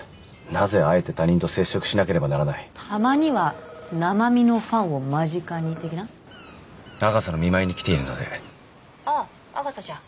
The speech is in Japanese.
なぜあえて他人と接触しなければならないたまには生身のファンを間近に的なアガサの見舞いに来ているのであっアガサちゃん